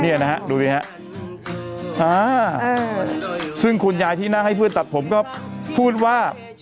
เนี่ยนะฮะดูสิฮะอ่าซึ่งคุณยายที่นั่งให้เพื่อนตัดผมก็พูดว่า